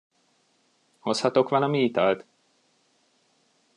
Hozhatok valami italt?